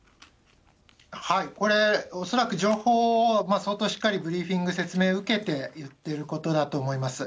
これ、恐らく情報を相当しっかりブリーフィング、説明を受けていってることだと思います。